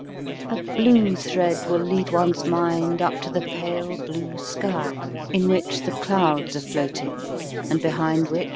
A blue thread will lead one's mind up to the pale blue sky, in which the clouds are floating and behind which AND MOTION.